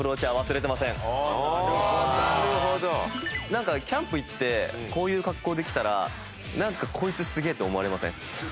なんかキャンプ行ってこういう格好で来たらなんかこいつすげえ！って思われません？